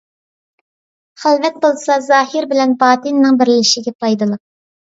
خىلۋەت بولسا زاھىر بىلەن باتىننىڭ بىرلىشىشىگە پايدىلىق.